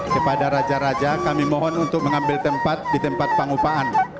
kepada raja raja kami mohon untuk mengambil tempat di tempat pengupaan